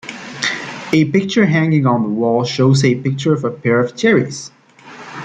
A picture hanging on the wall shows a picture of a pair of cherries.